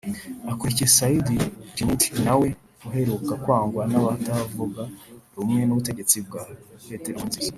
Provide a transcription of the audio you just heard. akurikiye Said Djinnit na we uheruka kwangwa n’abatavuga rumwe n’ubutegetsi bwa Petero Nkurunziza